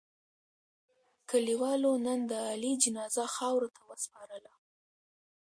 کلیوالو نن د علي جنازه خاورو ته و سپارله.